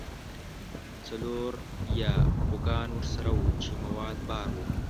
څلور یا بوګان ورسره وو چې مواد بار وو.